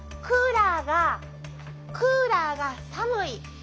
クーラーがクーラーが寒い。